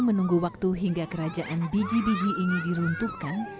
sembari menunggu waktu hingga kerajaan bg bg ini diruntuhkan